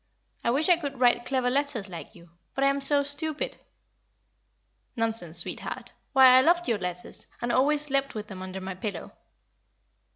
I wish I could write clever letters like you. But I am so stupid!" "Nonsense, sweetheart. Why, I loved your letters, and always slept with them under my pillow."